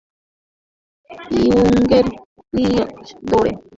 Jürgen ক্লিন্সমানের আছেন দৌড়ে, তবে বাজির দরে এগিয়ে সান্ডারল্যান্ড কোচ স্যাম অ্যালারডাইস।